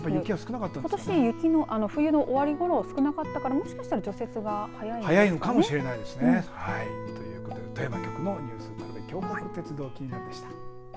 ことし冬の終わりごろ少なかったからもしかしたら除雪が早いのかもしれないですね。ということで富山局のニュースでした。